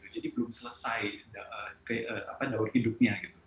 jadi belum selesai daur hidupnya